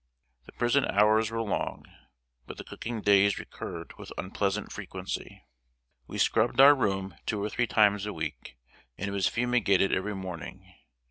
The prison hours were long, but the cooking days recurred with unpleasant frequency. We scrubbed our room two or three times a week, and it was fumigated every morning.